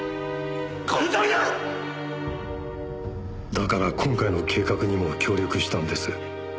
だから今回の計画にも協力したんです。